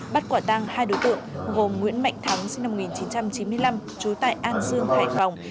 bắt quả tăng hai đối tượng gồm nguyễn mạnh thắng sinh năm một nghìn chín trăm chín mươi năm trú tại an dương hải phòng